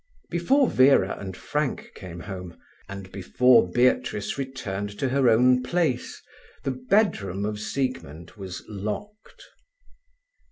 Before Vera and Frank came home, and before Beatrice returned to her own place, the bedroom of Siegmund was locked.